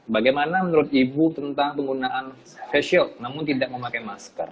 bagaimana menurut ibu tentang penggunaan face shield namun tidak memakai masker